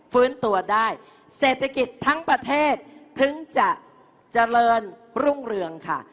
ฟื้นตัวได้เศรษฐกิจทั้งประเทศถึงจะเจริญรุ่งเรืองค่ะ